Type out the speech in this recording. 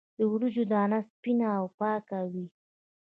د وریجو دانه سپینه او پاکه وي.